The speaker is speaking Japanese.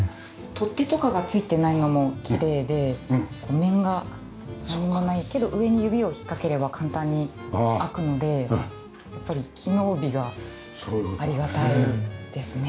取っ手とかが付いてないのもきれいで面が何もないけど上に指を引っかければ簡単に開くのでやっぱり機能美がありがたいですね。